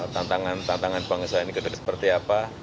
tantangan tantangan bangsa ini seperti apa